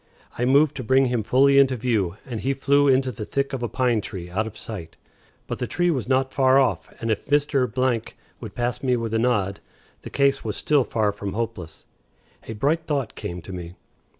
I moved to bring him fully into view, and he flew into the thick of a pine tree out of sight. But the tree was not far off, and if Mr. would pass me with a nod, the case was still far from hopeless. A bright thought came to me.